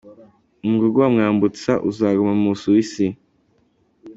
Umugogo wa Mwambutsa uzaguma mu Busuwisi